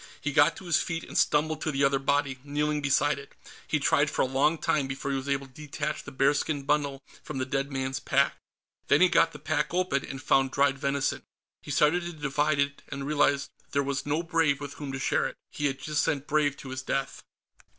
He got to his feet and stumbled to the other body, kneeling beside it. He tried for a long time before he was able to detach the bearskin bundle from the dead man's pack. Then he got the pack open, and found dried venison. He started to divide it, and realized that there was no Brave with whom to share it. He had just sent Brave to his death.